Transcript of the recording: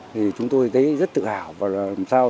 thì chúng tôi thấy rất tự hào